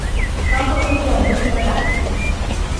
遭受地震无情的打击